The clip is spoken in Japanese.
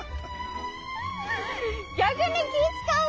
逆に気ぃ遣うわ。